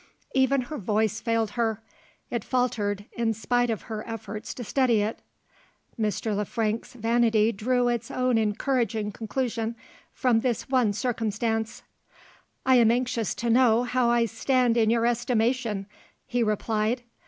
Even her voice failed her: it faltered in spite of her efforts to steady it. Mr. Le Frank's vanity drew its own encouraging conclusion from this one circumstance. "I am anxious to know how I stand in your estimation," he replied.